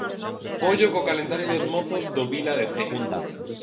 Ollo co calendario dos mozos do Vila de Cee.